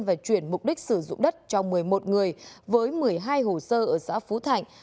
và chuyển mục đích sử dụng đất cho một mươi một người với một mươi hai hồ sơ ở xã phú thạnh